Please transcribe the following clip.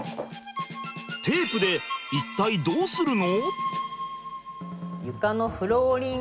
テープで一体どうするの？